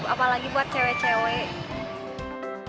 apalagi buat cewek cewek